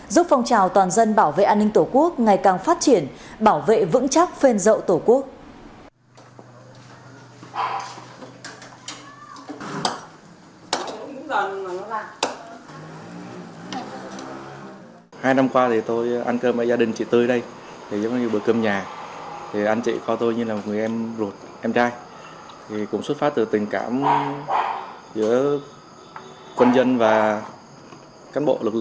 giúp phong trào toàn dân bảo vệ an ninh tổ quốc ngày càng phát triển bảo vệ vững chắc phên dậu tổ quốc